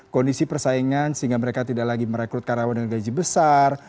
kondisi persaingan sehingga mereka tidak lagi merekrut karyawan dengan gaji besar